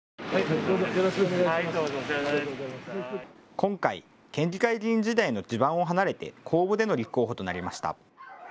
今回、県議会議員時代の地盤を離れて、公募での立候補となりました。